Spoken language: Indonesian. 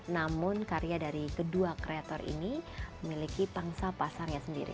namun karya dari kedua kreator ini memiliki pangsa pasarnya sendiri